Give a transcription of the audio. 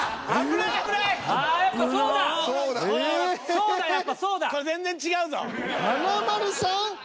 そうだやっぱそうだ。